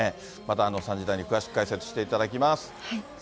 また３時台に詳しく解説していただきます。